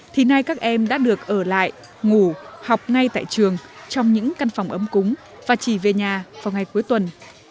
thì nay các em đã được ở lại ngủ học ngay tại trường trong những căn phòng ấm cúng và chỉ về nhà vào ngày cuối tuần